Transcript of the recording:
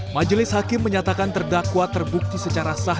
majelis hakim menyatakan terdakwa terbukti secara sah